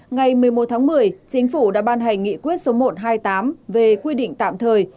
ngày một mươi một tháng một mươi chính phủ đã ban hành nghị quyết số một trăm hai mươi tám về quy định tạm thời